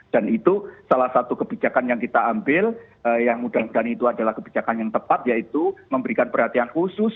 dan itu salah satu kebijakan yang kita ambil yang mudah mudahan itu adalah kebijakan yang tepat yaitu memberikan perhatian khusus